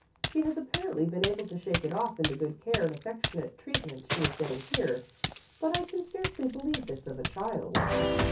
She has apparently been able to shake it off in the good care and affectionate treatment she is getting here. But I can scarcely believe this of a child."